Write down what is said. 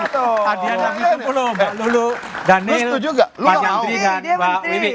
hadian yang ditumpu lo mbak lulu daniel pak yandri dan mbak wibi